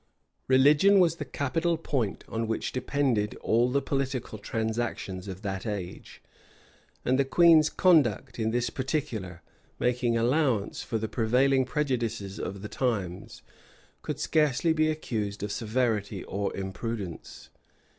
Religion was the capital point on which depended all the political transactions of that age; and the queen's conduct in this particular, making allowance for the prevailing prejudices of the times, could scarcely be accused of severity or imprudence.